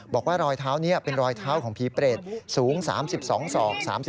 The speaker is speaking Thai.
บอกว่ารอยเท้านี้เป็นรอยเท้าของผีเปรตสูง๓๒ศอก